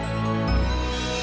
ngasihlah dengan baik